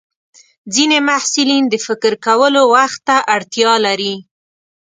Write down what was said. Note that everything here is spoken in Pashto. ځینې محصلین د فکر کولو وخت ته اړتیا لري.